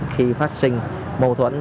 khi phát sinh mâu thuẫn